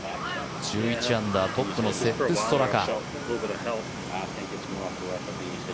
１１アンダートップのセップ・ストラカ。